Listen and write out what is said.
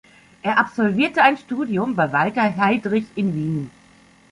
Er absolvierte ein Studium bei Walter Heidrich in Wien.